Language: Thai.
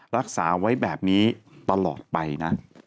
รักษาไว้แบบนี้ตลอดไปนะ